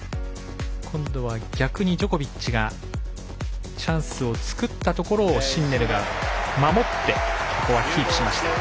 今度は逆にジョコビッチがチャンスを作ったところをシンネルが守ってここはキープしました。